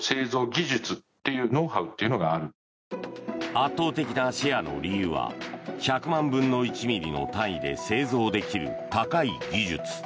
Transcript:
圧倒的なシェアの理由は１００万分の１ｍｍの単位で製造できる、高い技術。